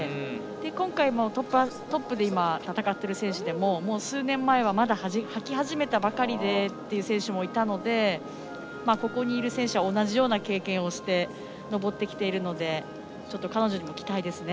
今回、トップで戦っている選手も数年前はまだはき始めたばかりという選手もいたのでここにいる選手は同じような経験をして上ってきているので彼女にも期待ですね。